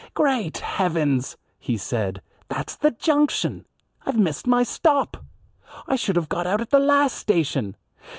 "Great heavens!" he said, "that's the junction. I've missed my stop. I should have got out at the last station.